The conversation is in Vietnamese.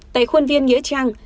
tại khuôn viên nghĩa trang